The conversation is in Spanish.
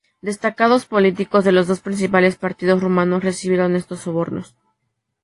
Destacados políticos de los dos principales partidos rumanos recibieron estos sobornos.